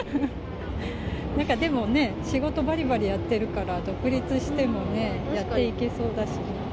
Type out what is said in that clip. なんかでもね、仕事ばりばりやってるから、独立してもね、やっていけそうだし。